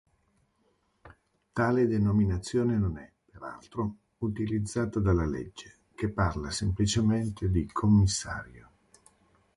Tale denominazione non è, peraltro, utilizzata dalla legge, che parla semplicemente di "commissario".